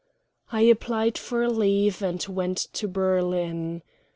I applied for leave, and went to Berlin.